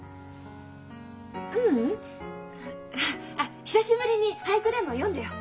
あっ久しぶりに俳句でも詠んでよ。